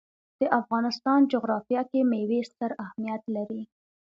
د افغانستان جغرافیه کې مېوې ستر اهمیت لري.